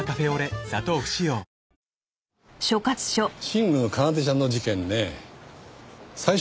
新宮奏ちゃんの事件ねえ。